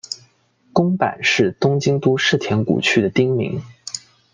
宫坂是东京都世田谷区的町名。